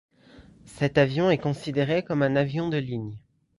Cet avion est considéré comme un avion de ligne.